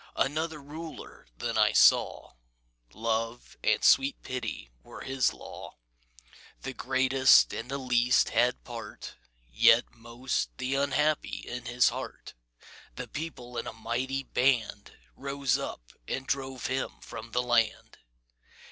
Another Ruler then I saw Love and sweet Pity were his law: The greatest and the least had part (Yet most the unhappy) in his heart The People, in a mighty band, Rose up, and drove him from the land!